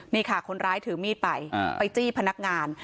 นี่ค่ะคนร้ายถือมีดไปไปจี้พนักงาน